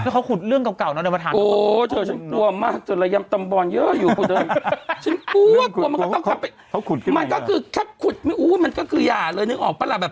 ถึงเวลามันก็หมดทุกเวลาของเราเอง